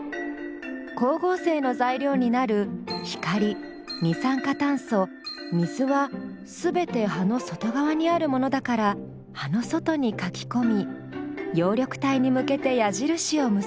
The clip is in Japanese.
光合成の材料になる光二酸化炭素水は全て葉の外側にあるものだから葉の外に書きこみ葉緑体に向けて矢印を結ぶ。